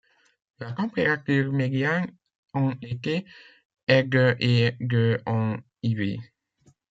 La température médiane en été est de et de en hiver.